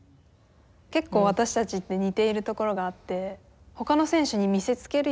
結構私たちって似ているところがあって。